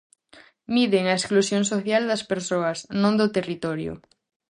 Miden a exclusión social das persoas, non do territorio.